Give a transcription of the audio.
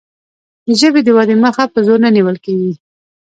د ژبې د ودې مخه په زور نه نیول کیږي.